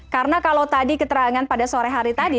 karena kalau tadi keterangan pada sore hari tadi